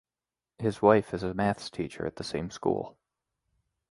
His wife is a maths teacher at the same school.